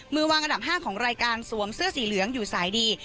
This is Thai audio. มือวางอันดับ๕ของรายการสวมเสื้อสีเหลืองอยู่สายดี